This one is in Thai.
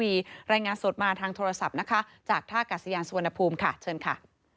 ใรน่างาสดมาทางโทรศัพท์นะคะจากท่ากสยานสวนภูมิค่ะเชิญค่ะ